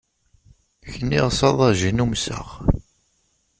Kniɣ s aḍajin umseɣ.